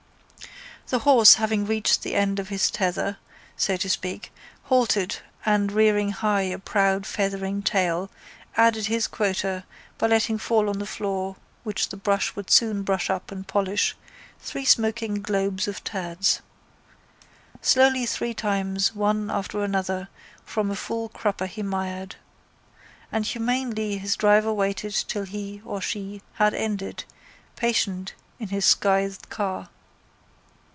The horse having reached the end of his tether, so to speak, halted and, rearing high a proud feathering tail, added his quota by letting fall on the floor which the brush would soon brush up and polish, three smoking globes of turds. Slowly three times, one after another, from a full crupper he mired. And humanely his driver waited till he (or she) had ended, patient in his scythed car.